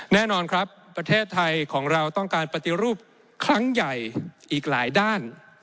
แน่นอนครับประเทศไทยของเราต้องการปฏิรูปครั้งใหญ่อีกหลายด้าน